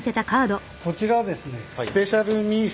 こちらはですね